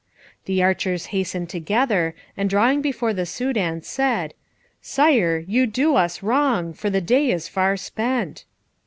The archers hastened together, and drawing before the Soudan said, "Sire, you do us wrong, for the day is far spent."